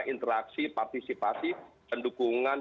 interaksi partisipasi pendukungan